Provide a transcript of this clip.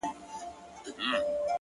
o د هغه ورځي څه مي ـ